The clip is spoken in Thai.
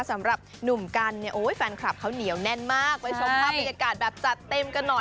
สำหรับหนุ่มกันนิ้วโอ๊ยแฟนคลับเขาเหนียวแน่นมาก